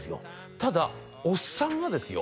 ただおっさんがですよ